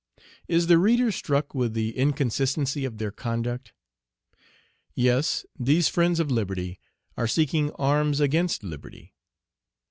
Is the reader struck with the inconsistency of their conduct? Yes, these friends of liberty are seeking arms against liberty.